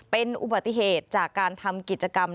เป็นอุบัติเหตุจากการทำกิจกรรม